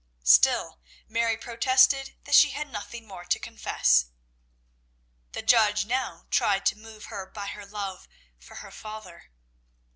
Still Mary protested that she had nothing more to confess. The judge now tried to move her by her love for her father.